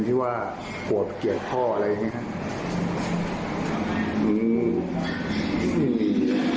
ที่ว่าโกรธเกลียดพ่ออะไรอย่างนี้ครับ